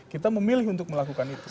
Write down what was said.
kita memilih untuk melakukan itu